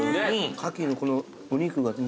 カキのこのお肉がね